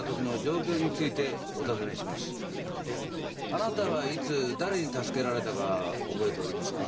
あなたはいつ誰に助けられたか覚えておりますか？